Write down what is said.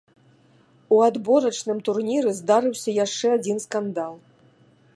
У адборачным турніры здарыўся яшчэ адзін скандал.